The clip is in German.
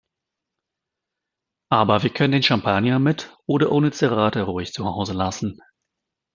Aber wir können den Champagner mit oder ohne zerate ruhig zu Hause lassen.